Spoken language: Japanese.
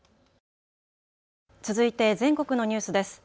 続いて全国のニュースです。